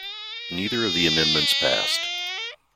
Neither of the amendments passed.